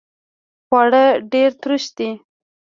خواړه ډیر تروش دي